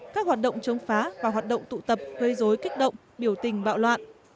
các hoạt động chống phá và hoạt động tụ tập gây dối kích động biểu tình bạo loạn